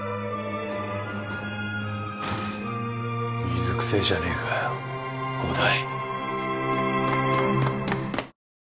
水くせえじゃねえかよ伍代。